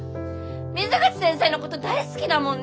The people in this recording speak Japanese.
水口先生のこと大好きだもんね！